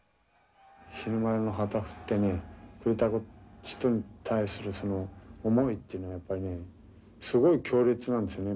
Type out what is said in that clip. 日の丸の旗振ってくれた人に対する思いっていうのはやっぱりねすごい強烈なんですよね